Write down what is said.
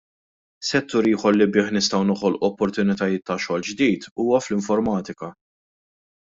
Settur ieħor li bih nistgħu noħolqu opportunitajiet ta' xogħol ġdid huwa fl-informatika.